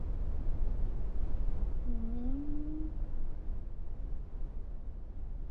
这个航向通常称作径向线。